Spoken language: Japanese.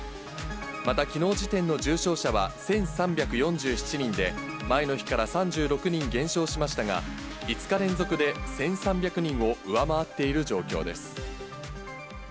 またきのう時点の重症者は１３４７人で、前の日から３６人減少しましたが、５日連続で１３００人を上回っている状況です。